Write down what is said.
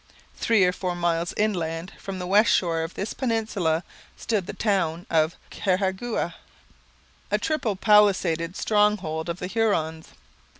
Three or four miles inland from the west shore of this peninsula stood the town of Carhagouha, a triple palisaded stronghold of the Hurons.